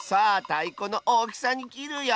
たいこのおおきさにきるよ！